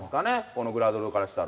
このグラドルからしたら。